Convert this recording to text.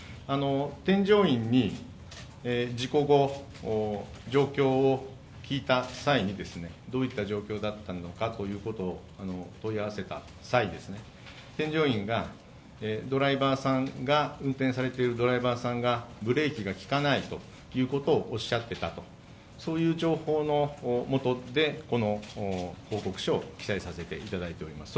添乗員に事故後、状況を聞いた際にどういった状況だったのかということを問い合わせた際、添乗員が、運転されているドライバーさんがブレーキが利かないということをおっしゃっていたと、そういう情報のもとで、この報告書を記載させていただいております。